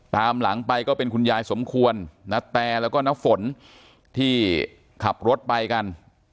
ตามหลังไปก็เป็นคุณยายสมควรณแตแล้วก็น้ำฝนที่ขับรถไปกัน